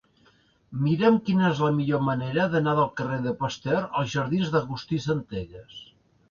Mira'm quina és la millor manera d'anar del carrer de Pasteur als jardins d'Agustí Centelles.